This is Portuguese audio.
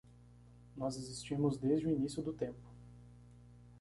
Nós existimos desde o início do tempo.